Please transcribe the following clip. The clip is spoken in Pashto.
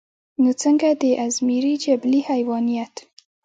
نو څنګه د ازمري جبلي حېوانيت